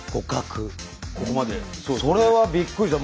それはびっくりした。